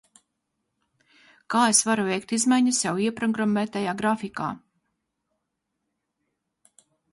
Kā es varu veikt izmaiņas jau ieprogrammētajā grafikā?